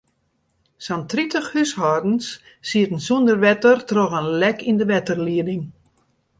Sa'n tritich húshâldens sieten sûnder wetter troch in lek yn de wetterlieding.